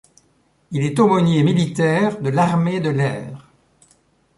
Il est aumônier militaire de l'armée de l'air.